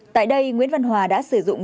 tại đây nguyễn văn hòa đã sử dụng